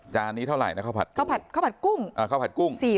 จานนี้เท่าไรนะข้าวผัดปูอ่ะข้าวผัดกุ้ง๔๐๐บาท